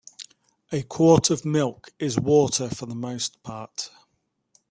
A quart of milk is water for the most part.